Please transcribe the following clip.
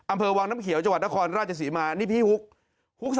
อำเภอวังน้ำเขียวจังหวัดนครราชศรีมานี่พี่ฮุก